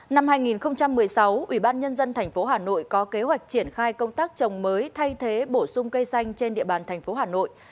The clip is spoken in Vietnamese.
năm hai nghìn một mươi sáu ubnd tp hà nội có kế hoạch triển khai công tác trồng mới thay thế bổ sung cây xanh trên địa bàn thành phố hà nội